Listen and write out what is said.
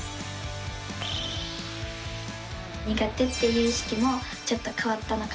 苦手っていう意識もちょっと変わったのかなと。